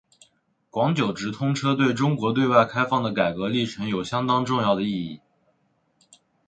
广九直通车对中国对外开放的改革历程有相当重要的意义。